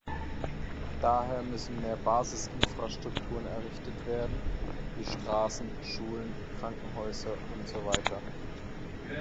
Daher müssen mehr Basisinfrastrukturen errichtet werden, wie Straßen, Schulen, Krankenhäuser usw.